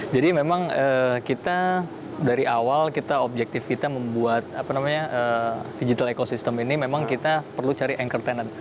jadi memang kita dari awal kita objektif kita membuat digital ecosystem ini memang kita perlu cari anchor tenant